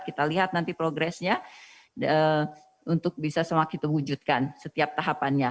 kita lihat nanti progresnya untuk bisa semakin terwujudkan setiap tahapannya